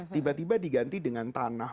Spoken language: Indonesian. tiba tiba diganti dengan tanah